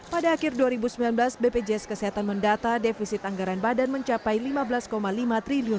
pada akhir dua ribu sembilan belas bpjs kesehatan mendata defisit anggaran badan mencapai rp lima belas lima triliun